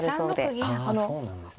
ああそうなんですね。